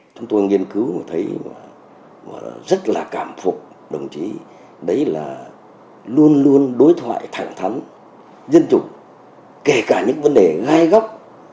chúng tôi nghiên cứu thấy rất là cảm phục đồng chí đấy là luôn luôn đối thoại thẳng thắn dân chủ kể cả những vấn đề ngay góc